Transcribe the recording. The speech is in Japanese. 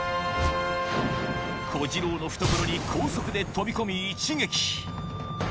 小次郎の懐に高速で飛び込み一撃